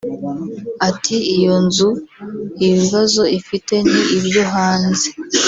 Ati “iyo nzu ibibazo ifite ni ibyo hanze